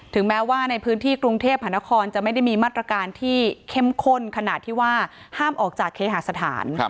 แม้ว่าในพื้นที่กรุงเทพหานครจะไม่ได้มีมาตรการที่เข้มข้นขนาดที่ว่าห้ามออกจากเคหาสถาน